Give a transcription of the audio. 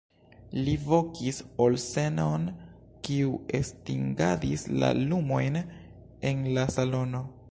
Li vokis Olsen'on, kiu estingadis la lumojn en la salono.